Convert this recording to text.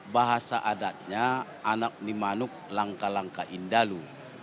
bahasa adatnya anak nimanuk langka langka indalu